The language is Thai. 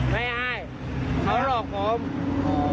ไม่ให้เขาหลอกผม